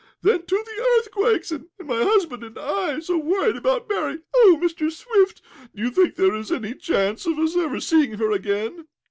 Then, too, the earthquakes! And my husband and I worried so about Mary. Oh, Mr. Swift! Do you think there is any chance of us ever seeing her again?"